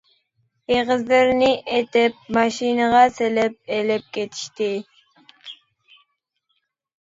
ئېغىزلىرىنى ئېتىپ، ماشىنىغا سېلىپ ئېلىپ كېتىشتى.